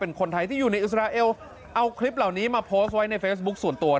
เป็นคนไทยที่อยู่ในอิสราเอลเอาคลิปเหล่านี้มาโพสต์ไว้ในเฟซบุ๊คส่วนตัว